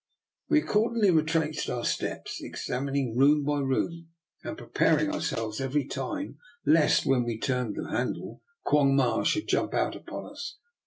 We accordingly retraced our steps, ex amining room by room and preparing our selves every time lest when we turned the handle Quong Ma should jump out upon us.